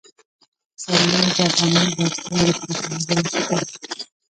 پسرلی د افغانانو د اړتیاوو د پوره کولو وسیله ده.